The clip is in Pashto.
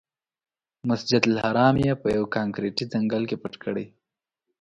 مسجدالحرام یې په یوه کانکریټي ځنګل کې پټ کړی.